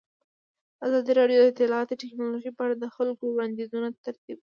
ازادي راډیو د اطلاعاتی تکنالوژي په اړه د خلکو وړاندیزونه ترتیب کړي.